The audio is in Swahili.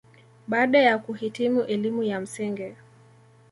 Baada ya kuhitimu elimu ya msingi